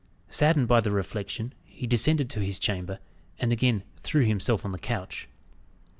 Saddened by the reflection, he descended to his chamber, and again threw himself on the couch.